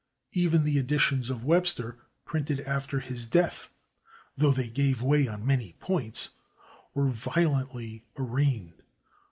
Even the editions of Webster printed after his death, though they gave way on many points, were violently arraigned.